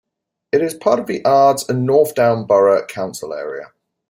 It is part of the Ards and North Down Borough Council area.